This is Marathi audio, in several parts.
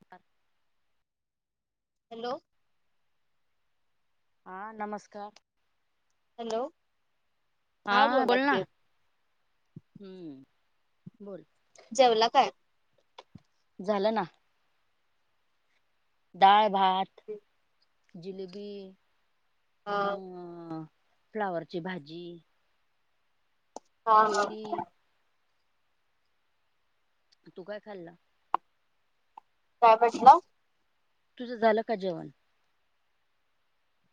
ह [unintelligible] हॅलो हा नमस्कार हॅलो. हा हा बोला बोल ना की हम्म बोल. जेवला काय? झालं ना. डाळ भात जिलेबी. हा अ फ्लावरची भाजी, हा हा पोळी तू काय खाल्ल? काय म्हटलं. तुझं झालं का जेवण.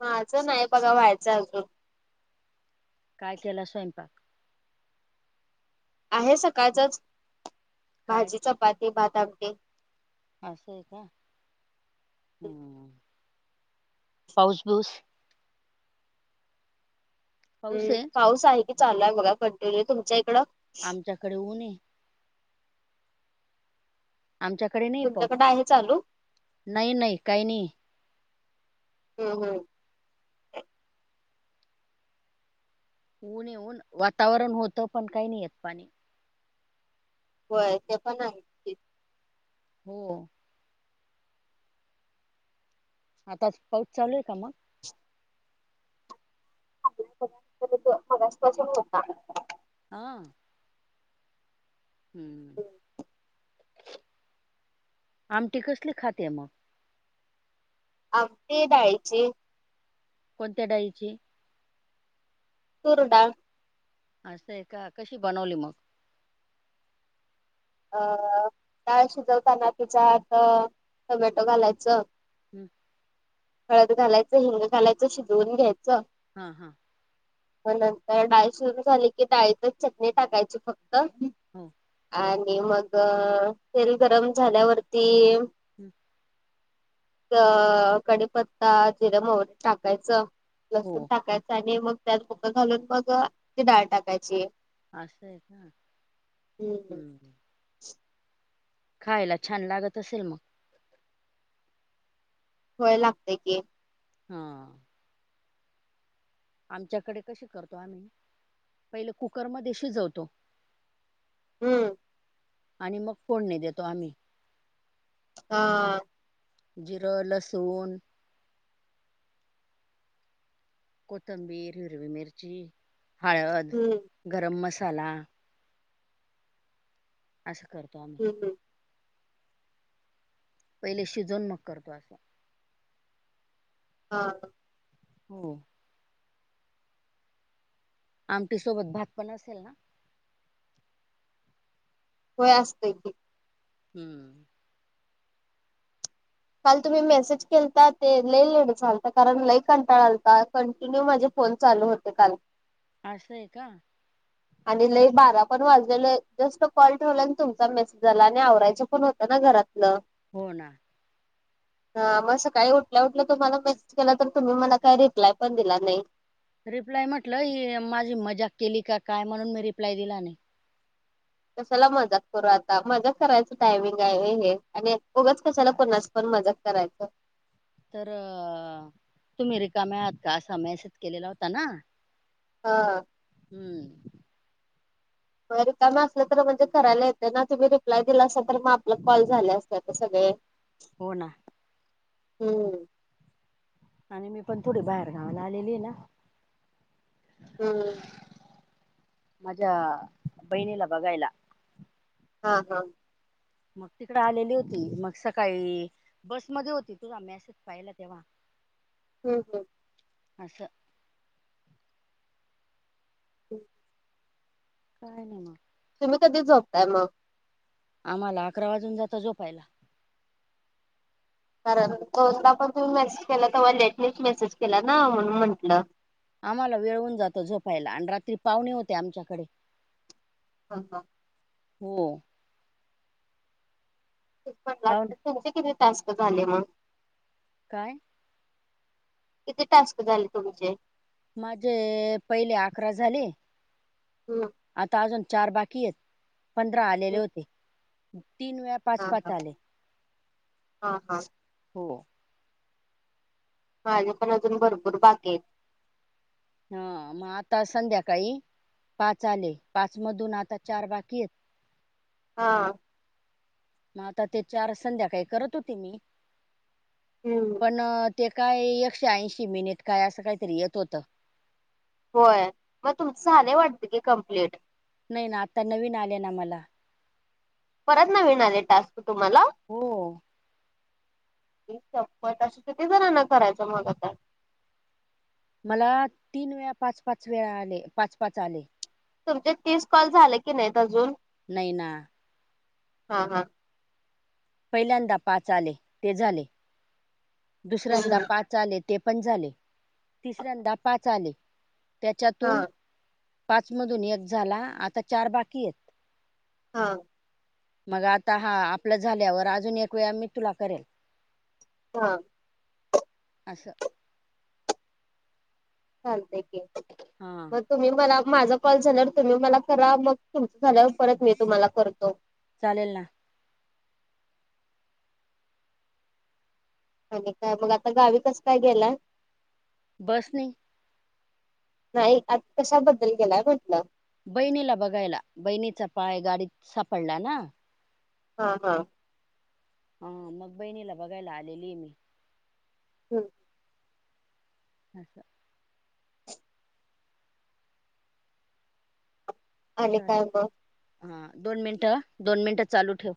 माझं नाय बघा व्हायचं अजून. काय केला स्वयंपाक. आहे सकाळचच काय भाजी चपाती भात आमटी. असय का हम्म पाऊस बीऊस. पाऊस हम् आहे पाऊस आहे की चालूय बघा कंटिन्यू तुमच्या इकडं. आमच्याकडे ऊन ये. आमच्याकडे नाही पाऊस तुमच्याकडे आहे चालू? नाही नाही काही नाही हम्म हम् ऊन ये ऊन वातावरण होतं पण काही नाही येत पाणी. होय ते पण हाय. हो आताच पाऊस चालूय का मग. न्हाय आता जरा, मागच पासून होता. ह. हम् आमटी कसली खाते मग. आमटी दाळीची. कोणत्या डाळीची. तूर डाळ. असय का कशी बनवली मग. अ डाळ शिजवताना तिच्यात अ टोमॅटो घालायचं. हम् हळद घालायचं हिंग घालायचं शिजवून घ्यायचं. हा हा मग नंतर डाळ शीजून झाली की डाळीतच चटणी टाकायची फक्त, हो आणि मग तेल गरम झाल्यावरती हम्म क कडीपत्ता जिर मोरी टाकायचं - - लसूण हो टाकायच आणि मग त्यात बुक घालून मग ती डाळ टाकायची असं य का हम्म हम. [inaudible] खायला छान लागत असेल मग. होय लागतय की. हा. आमच्याकडे कशी करतो आम्ही पहिल कुकरमध्ये शिजवतो. हम्म. आणि मग फोडणी देतो आम्ही. हा. जिर लसुन कोथंबीर हिरवी मिरची हळद हम्म गरम मसाला असं करतो आम्ही. हम्. पहिले शिजवून मग करतो आम्ही. हा. हो. आमटीसोबत भात पण असेल ना? होय असतय की. हम्म. काल तुम्ही मेसेज केलता ते लई लेट झालता कारण लई कंटाळा अलता कंटिन्यू माझे फोन चालू होते काल. असय का? आणि लई बारा पण वाजलेलं जस्ट कॉल ठेवला आणि तुमचा मेसेज झाला आणि आवरायच पण होत ना घरात. ल हो ना. [inaudible] हा मग सकाळी उठल्या उठल्या तुम्हाला मेसेज केला तर तुम्ही मला काही रिप्लाय पण दिला नाही. रिप्लाय म्हटलं ही माझी मजाक केली का काय म्हणून मी रिप्लाय दिला नाही. कशाला मजाक करू आता मजाक करायच टायमिंग हाय व्हय हे आणि उगच कशाला कोणाच पण मजाक करायचं. तर तुम्ही रिकामे आहात का असा मॅसेज केलेला होता ना? हा. हम्म. होय रिकाम असलं तर म्हणजे करायला येते ना तुम्ही रिप्लाय दिलासा तर म आप मग कॉल झाले असते आता सगळे हो ना हम्म. आणि मी पण थोडी बाहेर गावाला आलेली आहे ना. हम्म. माझ्या बहिणीला बघायला. हा हा. मग तिकड आलेली होती मग सकाळी बसमध्ये होती तुझा मेसेज पाहिला तेव्हा. [inaudible] हम् हम्. असं [inaudible] काय नाही मग. तुम्ही कधी झोपताय मग? आम्हाला अकरा वाजून जात झोपायला. कारण [unintelligible] पण तुम्ही मेसेज केला तेव्हा लेटनीच मेसेज केला ना म्हणून म्हटलं. आम्हाला वेळ होवून जातो झोपायला आणि रात्री पाहुणे होते आमच्याकडे हा हा होय. पेपर पावणे तुमचे किती टास्क झाले म काय? किती टास्क झाले तुमचे. माझे पहिले अकरा झाले. हूं आता अजून चार बाकी ये पंधरा आलेले होते म तीन वे हा हा हा हा हो. माझे पण अजून भरपूर बाकी येत. हा मग आता संध्याकाळी पाच आले पाच मधून आता चार बाकी येत. हा म आता ते चार संध्याकाळी करत होते मी हम्म पण ते काय एकशे ऐंशी मिनिट काय असं काय तरी येत होतं. होय म तुमचं झालंय वाटत की कम्प्लीट नाय ना आता नवीन आले ना मला परत नविन आले टास्क तुम्हाला? हो अई शप्पथ! अशे किती जणांना करायचं मग आता मला तीन वेळा पाच पाच वेळा आले पाच पाच आले. तुमचे तीस कॉल झाले की नाहीत अजून नाई ना हा हा पहिल्यांदा पाच आले ते झाले. दुसऱ्यांदा हम्म पाच आले ते पण झाले तिसऱ्यांदा पाच आले. हा त्याच्यातून पाच मधून एक झाला आता चार बाकी येत. हा मग आता हा आपलं झाल्यावर अजून एक वेळा मी तुला करेल. ह असं चालतयं की हा मग तुम्ही मला माझा कॉल झाल्यावर तुम्ही मला करा मग तुमचं झाल्यावर परत मी तुम्हाला करतो. चालेल ना आणि काय मग आता गावी कसं काय गेला. बस नी नाही आत कशाबद्दल गेलाय म्हटलं. बहिणीला बघायला बहिणीचा पाय गाडीत सापडला ना हा हा हा मग बहिणीला बघायला आलेली ये मी हं अस आणि काय चालेल म्हणताय हा दोन मिनट दोन मिनिट चालू ठेव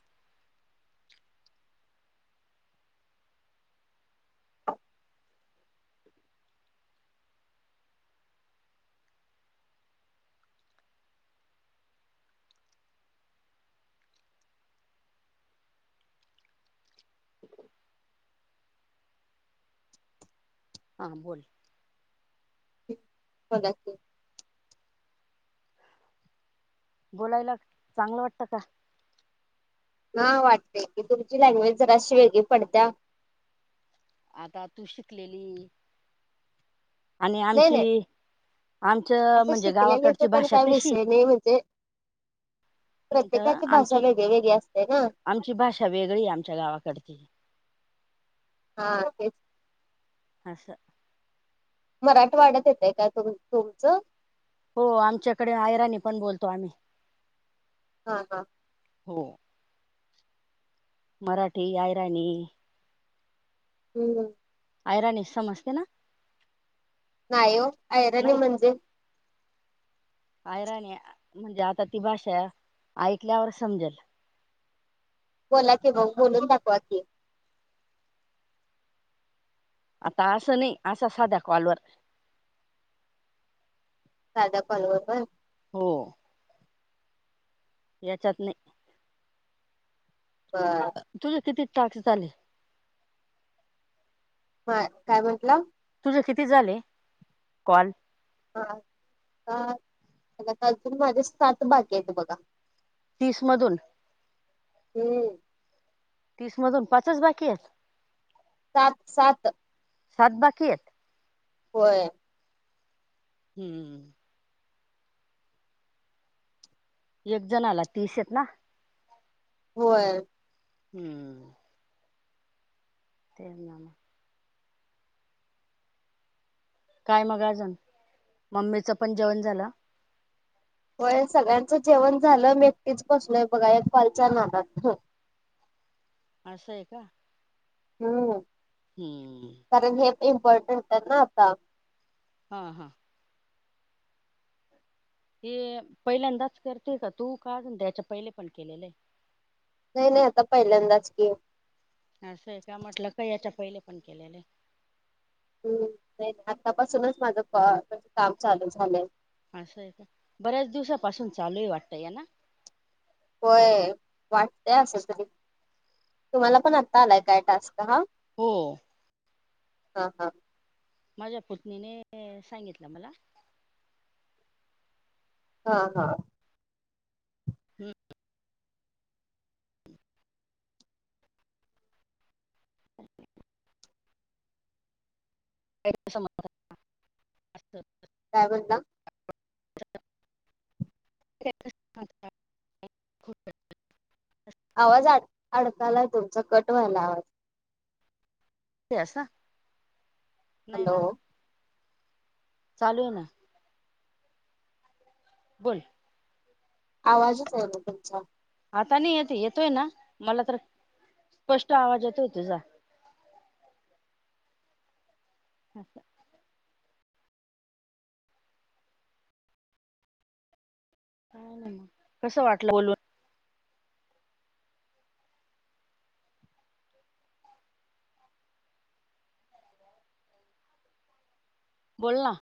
[unintelligible] हां बोल बघा की बोलायला चांगलं वाटतं का? हा वाटतेय की तुमची लँग्वेज जराशी वेगळी पडत्या. आता तू शिकलेली आणि नाही आमची नाही आमचं असं म्हणजे शिकलेलेच गावाकडची पण भाषा काय तशी विषय नाही म्हणजे मिनट प्रत्येकाची भाषा आमची वेगळी वेगळी असते ना! आमची भाषा वेगळी आमच्या गावाकडची हा ते असं मराठवाड्यात येतं काय तुमचं. हो आमच्याकडे आयरानी पण बोलतो आम्ही हा हा. हो मराठी, आयराणी हम्. आयराणी समजते असते ना? नाही ओ आयराणी नाही म्हणजे आयराने म्हणजे आता ती भाषा ऐकल्यावर समजेल बोला की मग बोलून दाखवा की आता असं नाही अशा साध्या कॉलवर साध्या काॅलवर होय. हो. याच्यात नाही. बर तुझं किती तास झाले. हा काय म्हणला. तुझं किती झाले कॉल हा अजून माझे सात बाकी आहेत बघा तीसमधून हम्म. तीसमधून पाच च बाकी आहेत. सात सात सात बाकी आहेत. होय. हम्म. एक जनाला तीस आहेत ना होय. हम्म. ते ना काय मग अजून मम्मीच पण जेवण झालं. होय सगळ्यांचं जेवण झालं मी एकटीच बसलोय बघा या एक कॉलच्या नादात अससं आहे का? हम हम्म कारण हे इम्पॉर्टंट आहे ना आता हा हा हे पहिल्यांदाच करते का तू का अजून त्याच्या पहिले पण केलेलं आहे. नाही नाही आता पहिल्यांदाच की असं आहे का म्हटलं काय याच्या पहिले पण केलेले. हम्म नाही आतापासूनच माझं काम चालू झालंय. असं आहे का बऱ्याच दिवसापासून चालूही वाटतं या ना होय वाटतय असं तरी तुम्हाला पण आता आलाय काय टास्क हा. हो हा हा. माझ्या पुतनीने सांगितलं मला. हा हा. हम अ [unintelligible] काय बोलला. [inaudible] आवाज आड- आडकालाय तुमचा कट व्हायला आवाज. असं. नाही हॅलो ना चालू हे ना. बोल आवाजच येईना तुमचा. आता नाही येत येतोय ना मला तर स्पष्ट आवाज येतोय तुझा. अस स. हा ना मग कसं वाटलं बोलून. बोल ना.